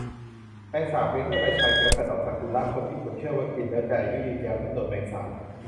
แมงสาบเลี้ยงด้วยใบชาเขียวกะดอกซากูระ คนญี่ปุ่นเชื่อว่ากินแล้วจะอายุยืนยาว เหมือนหนวดแมงสาบ